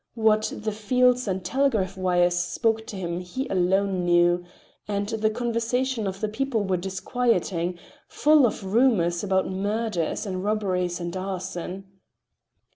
What the fields and telegraph wires spoke to him he alone knew, and the conversation of the people were disquieting, full of rumors about murders and robberies and arson.